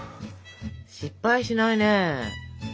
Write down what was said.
失敗しないね。